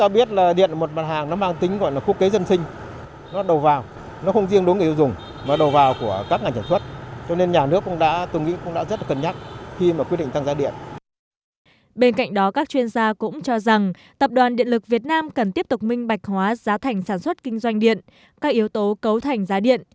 bên cạnh đó các chuyên gia cũng cho rằng tập đoàn điện lực việt nam cần tiếp tục minh bạch hóa giá thành sản xuất kinh doanh điện các yếu tố cấu thành giá điện